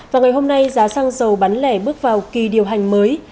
và ngày hôm nay giá xăng dầu bán lẻ bước vào kỳ điều hành mới